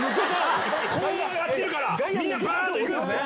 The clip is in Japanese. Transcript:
こうやってるからみんなバっと行くんすね。